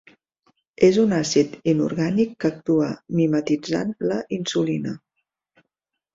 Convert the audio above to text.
És un àcid inorgànic que actua mimetitzant la insulina.